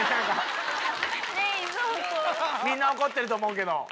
みんな怒ってると思うけど。